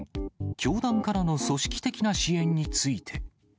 教団からの組織的な支援について。